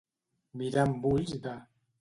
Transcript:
Mirar amb ulls de.